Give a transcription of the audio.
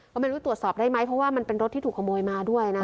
ก็ไม่รู้ตรวจสอบได้ไหมเพราะว่ามันเป็นรถที่ถูกขโมยมาด้วยนะ